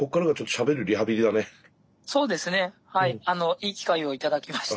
いい機会を頂きました。